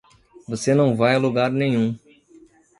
Você não vai a lugar nenhum.